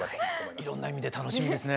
いろんな意味で楽しみですね。